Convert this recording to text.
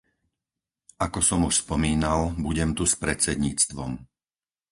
Ako som už spomínal, budem tu s predsedníctvom.